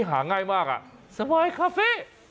หาง่ายมากสวายคาเฟ่